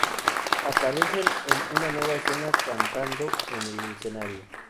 Aparecen en una nueva escena cantando en el escenario.